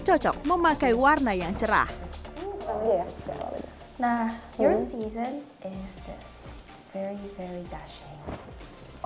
cocok memakai warna yang cerah nah